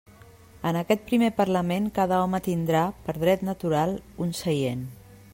En aquest primer parlament cada home tindrà, per dret natural, un seient.